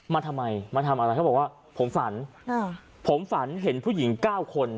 มาทำไมมาทำอะไรเขาบอกว่าผมฝันอ่าผมฝันเห็นผู้หญิงเก้าคน